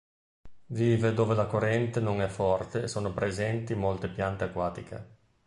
Vive dove la corrente non è forte e sono presenti molte piante acquatiche.